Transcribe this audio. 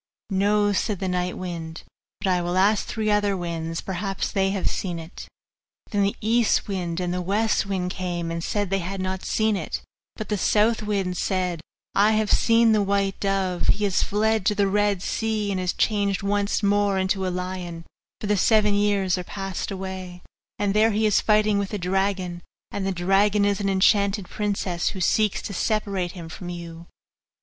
'No,' said the night wind, 'but I will ask three other winds; perhaps they have seen it.' Then the east wind and the west wind came, and said they too had not seen it, but the south wind said, 'I have seen the white dove he has fled to the Red Sea, and is changed once more into a lion, for the seven years are passed away, and there he is fighting with a dragon; and the dragon is an enchanted princess, who seeks to separate him from you.